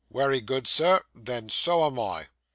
'Wery good, Sir; then so am I.